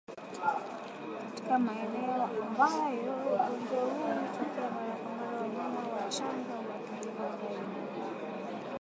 katika maeneo ambayo ugonjwa huu hutokea mara kwa mara Wanyama wachanga huathiriwa zaidi